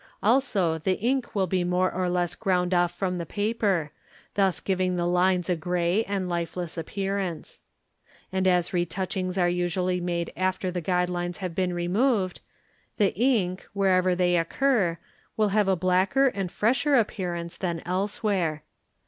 Also the ink will be 'more or less ground off from the paper, thus giving the lines a grey and lifeless appearance. And as retouchings are usually made after the guide lines have been removed, the ink, wherever they occur, will have a _ blacker and fresher appearance than elsewhere.